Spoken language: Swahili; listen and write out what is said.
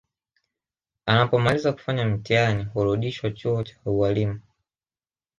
Anapomaliza kufanya mtihani hurudishwa chuo cha ualimu